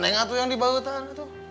neng kamu yang dibawa ke sana